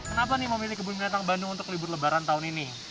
kenapa nih memilih kebun binatang bandung untuk libur lebaran tahun ini